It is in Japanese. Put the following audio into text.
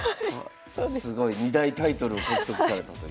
すごい２大タイトルを獲得されたという。